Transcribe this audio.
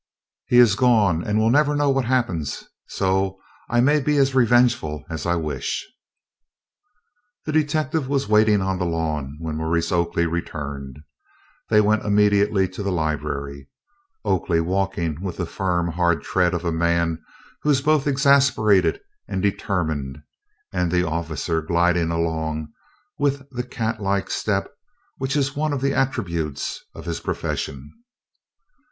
"He is gone and will never know what happens, so I may be as revengeful as I wish." The detective was waiting on the lawn when Maurice Oakley returned. They went immediately to the library, Oakley walking with the firm, hard tread of a man who is both exasperated and determined, and the officer gliding along with the cat like step which is one of the attributes of his profession.